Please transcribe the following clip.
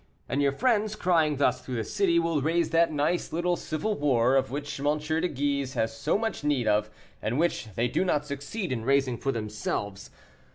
And your friends, crying thus through the city, will raise that nice little civil war of which MM. de Guise have so much need, and which they did not succeed in raising for themselves.